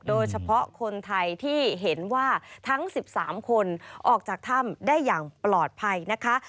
โดยเฉพาะคนไทยที่เห็นว่าทั้ง๑๓คนออกจากถ้ำได้อย่างปลอดภัยนะคะ